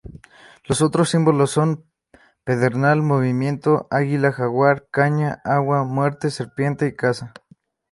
Los otros símbolos son: pedernal, movimiento, águila, jaguar, caña, agua, muerte, serpiente y casa.